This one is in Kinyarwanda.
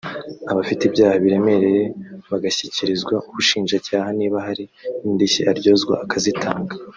abafite ibyaha biremereye bagashyikirizwa ubushinjacyaha niba hari n’indishyi aryozwa akazitanga"